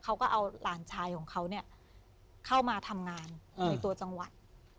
เขาก็เอาหลานชายของเขาเนี่ยเข้ามาทำงานในตัวจังหวัด